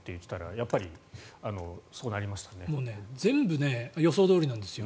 もうね全部、予想どおりなんですよ。